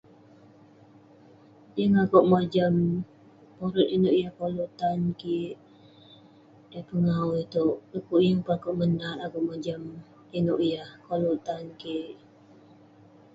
Yeng akouk mojam urouk inouk yah koluk tan kik. eh pengawu itouk. pu'kuk yeng peh akouk menat. akouk mojam, inouk yah koluk tan kik.